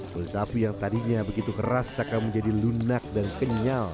kulit sapi yang tadinya begitu keras akan menjadi lunak dan kenyal